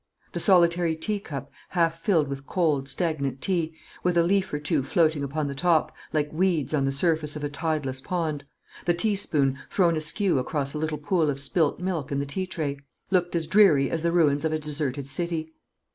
The solitary teacup, half filled with cold, stagnant tea, with a leaf or two floating upon the top, like weeds on the surface of a tideless pond; the teaspoon, thrown askew across a little pool of spilt milk in the tea tray, looked as dreary as the ruins of a deserted city.